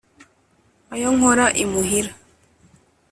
ayo nkora imuhira